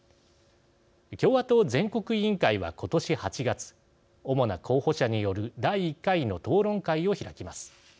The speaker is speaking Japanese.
共和党全国委員会は今年８月主な候補者による第１回の討論会を開きます。